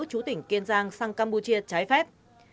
chú tỉnh kiên giang sang campuchia trái phép